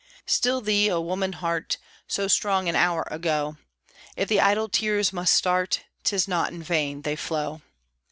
Still thee, O woman heart! (So strong an hour ago); If the idle tears must start, 'Tis not in vain they flow.